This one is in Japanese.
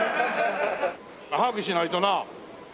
早くしないとな。